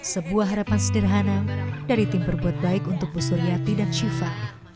sebuah harapan sederhana dari timber buat baik untuk bu suryati dan siva